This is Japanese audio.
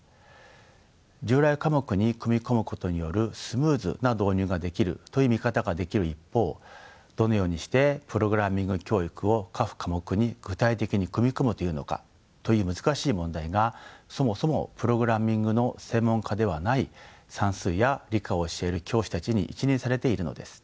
従来科目に組み込むことによるスムーズな導入ができるという見方ができる一方どのようにしてプログラミング教育を各科目に具体的に組み込むというのかという難しい問題がそもそもプログラミングの専門家ではない算数や理科を教える教師たちに一任されているのです。